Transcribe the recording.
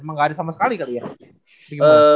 emang gak ada sama sekali kali ya